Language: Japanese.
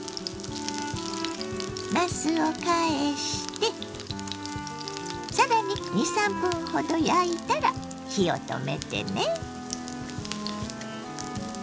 なすを返して更に２３分ほど焼いたら火を止めてね。